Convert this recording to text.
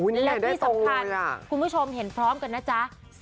นี่เห็นได้ตรงเลยอ่ะและที่สำคัญคุณผู้ชมเห็นพร้อมกันนะจ๊ะ